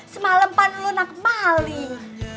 semalem pan lo nak balik